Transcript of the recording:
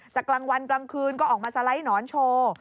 กลางวันกลางคืนก็ออกมาสไลด์หนอนโชว์